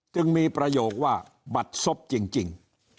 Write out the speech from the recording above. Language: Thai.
จึงมีประโยคว่าบัตรซบจริง